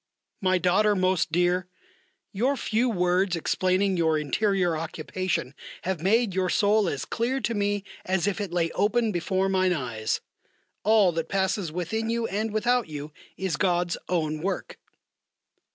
MY DAUGHTER MOST DEAR, Your few words explaining your interior occupation have made your soul as clear to me as if it lay open before mine eyes. All that passes within you and without you is God's own work.